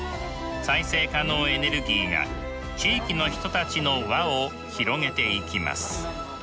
再生可能エネルギーが地域の人たちの輪を広げていきます。